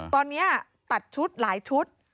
ตอนนี้ตัดชุดหลายชุด